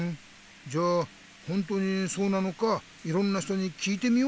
じゃあほんとにそうなのかいろんな人に聞いてみようか。